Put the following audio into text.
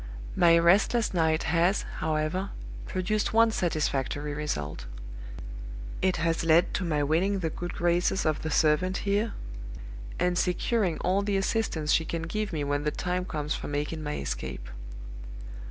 "My restless night has, however, produced one satisfactory result. It has led to my winning the good graces of the servant here, and securing all the assistance she can give me when the time comes for making my escape.